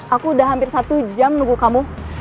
aku udah hampir satu jam nunggu kamu